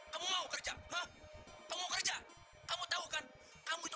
kamu mau kerja kamu kerja kamu tahu kan kamu itu